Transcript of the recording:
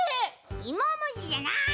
いもむしじゃない！